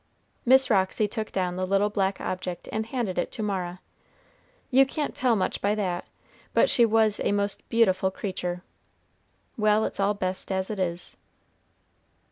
Miss Roxy took down the little black object and handed it to Mara. "You can't tell much by that, but she was a most beautiful creatur'. Well, it's all best as it is."